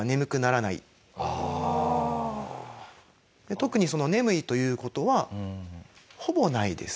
特に眠いという事はほぼないです。